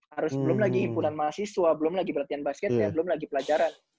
harus belum lagi himpunan mahasiswa belum lagi pelatihan basket dan belum lagi pelajaran